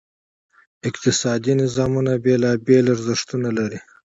اقتصادي نظامونه بېلابېل ارزښتونه لري.